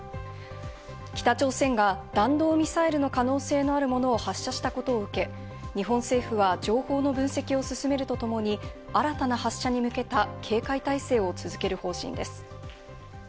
北朝鮮が弾道ミサイルの可能性のあるものを発射したことを受け、日本政府は情報の分析を進めるとともに、新たな発射に向けた警戒態勢を続ける方針です。